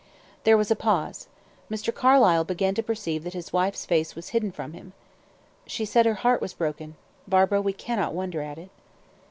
There was a pause. Mr. Carlyle began to perceive that his wife's face was hidden from him. "She said her heart was broken. Barbara, we cannot wonder at it."